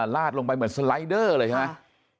ลาดลงไปเหมือนสไลด์เดอร์เลยใช่ไหม